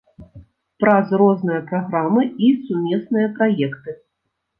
Праз розныя праграмы і сумесныя праекты.